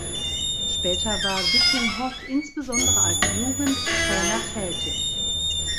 Später war Vittinghoff insbesondere als Jugendtrainer tätig.